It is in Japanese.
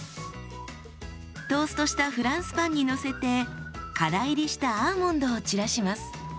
トーストしたフランスパンにのせてから煎りしたアーモンドを散らします。